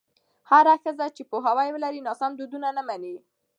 هره ښځه چې پوهاوی ولري، ناسم دودونه نه مني.